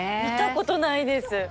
見たことないです！